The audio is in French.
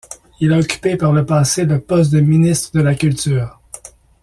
Il a occupé par le passé le poste de ministre de la culture.